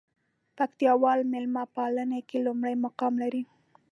پکتياوال ميلمه پالنه کې لومړى مقام لري.